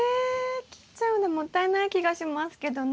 切っちゃうのもったいない気がしますけどね。